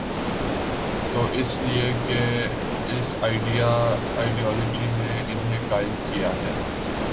تو اس لیے کہ اس آئیڈیالوجی نے انہیں قائل کیا ہے۔